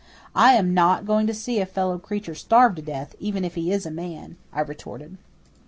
"I am not going to see a fellow creature starve to death, even if he is a man," I retorted.